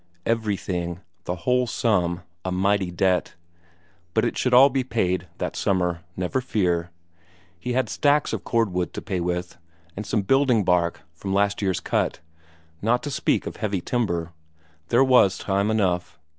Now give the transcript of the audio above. Everything, the whole sum, a mighty debt; but it should all be paid that summer, never fear. He had stacks of cordwood to pay with, and some building bark from last year's cut, not to speak of heavy timber. There was time enough.